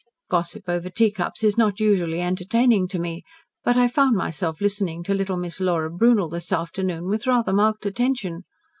Gossip over teacups is not usually entertaining to me, but I found myself listening to little Miss Laura Brunel this afternoon with rather marked attention.